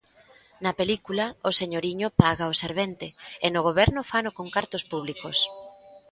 Na película, o señoriño paga o servente e no Goberno fano con cartos públicos.